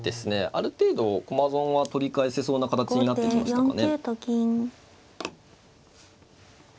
ある程度駒損は取り返せそうな形になってきましたかね。